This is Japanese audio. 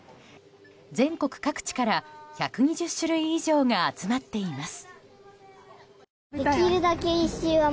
全国各地から１２０種類以上が集まっています。